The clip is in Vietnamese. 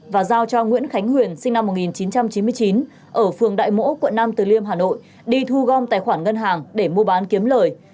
và giao cho nguyễn khánh huyền sinh năm một nghìn chín trăm chín mươi chín ở phường đại mỗ quận nam từ liêm hà nội đi thu gom tài khoản ngân hàng để mua bán kiếm lời